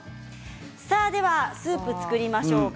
ではスープを作りましょうか。